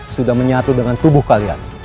sudah menyatu dengan tubuh kalian